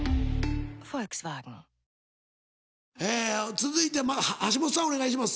続いて橋本さんお願いします。